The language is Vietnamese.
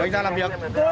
anh ra làm việc